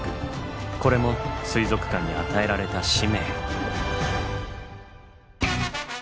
これも水族館に与えられた使命。